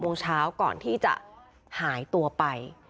โมงเช้าก่อนที่จะหายตัวไป